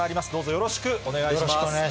よろしくお願いします。